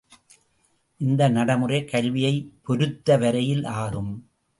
இந்த நடைமுறை கல்வியைப் பொருத்த வரையில் ஆகும்.